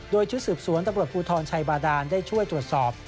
โดยชุดสืบสวนตำรวจภูทรชัยบาดานได้ช่วยตรวจสอบ